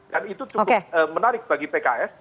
dan itu cukup menarik bagi pks